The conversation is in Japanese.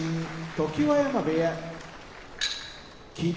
常盤山部屋霧